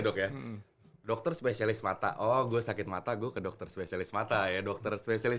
dok ya dokter spesialis mata oh gue sakit mata gue ke dokter spesialis mata ya dokter spesialis